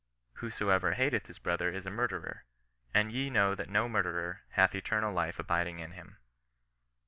Whosoever hateth his brother is a murderer, and ye know that no murderer hath eternal life abiding in him."